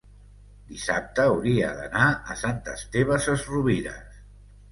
dissabte hauria d'anar a Sant Esteve Sesrovires.